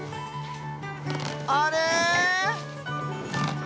あれ？